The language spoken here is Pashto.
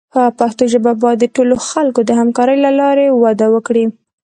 پښتو ژبه باید د ټولو خلکو د همکارۍ له لارې وده وکړي.